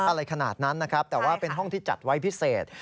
อะไรขนาดนั้นนะครับแต่ว่าเป็นห้องที่จัดไว้พิเศษ